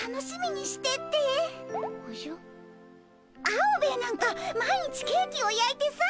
アオベエなんか毎日ケーキをやいてさ。